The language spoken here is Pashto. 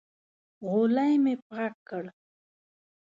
غولی مې پاک کړ.